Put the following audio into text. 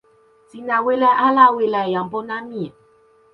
sina wile ala wile jan pona mi?